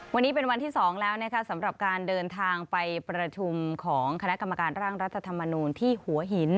วันนี้เป็นวันที่๒แล้วนะคะสำหรับการเดินทางไปประชุมของคณะกรรมการร่างรัฐธรรมนูลที่หัวหิน